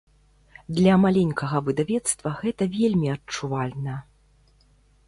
Для маленькага выдавецтва гэта вельмі адчувальна.